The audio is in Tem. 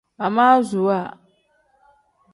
Amaasuwa.